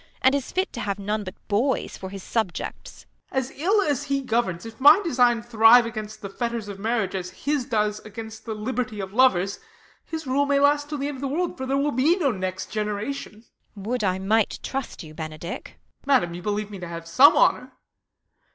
And is fit to have none but boys for his subjects. Ben. As ill as he governs, if my Design thrive against the fetters of marriage, As his does against the liberty of lovers, His rule may last till the end of the world ; For there Avill be no next generation. Beat. AVould I might trust you. Benedick. Ben. ]\Iadam, you believe me to have some honour.